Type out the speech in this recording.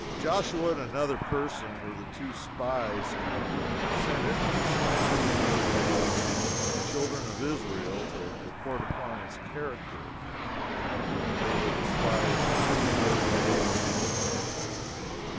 Joshua, and another person, were the two spies who were sent into this land of Canaan by the children of Israel to report upon its character I mean they were the spies who reported favorably.